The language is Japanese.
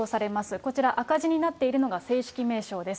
こちら赤字になっているのが正式名称です。